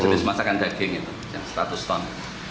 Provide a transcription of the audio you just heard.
habis masakan daging itu yang seratus ton